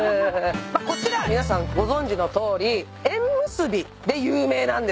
こちら皆さんご存じのとおり縁結びで有名なんですよね。